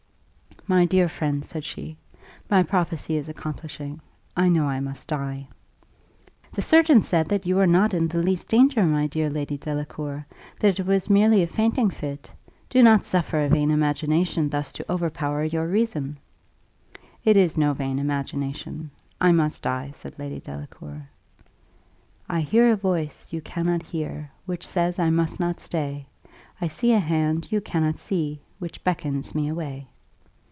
"My dear friend," said she, "my prophecy is accomplishing I know I must die." "The surgeon said that you were not in the least danger, my dear Lady Delacour; that it was merely a fainting fit. Do not suffer a vain imagination thus to overpower your reason." "It is no vain imagination I must die," said Lady Delacour. 'I hear a voice you cannot hear, Which says I must not stay; I see a hand you cannot see, Which beckons me away.